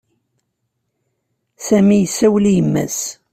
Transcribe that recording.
Sami issawel i yemma-s.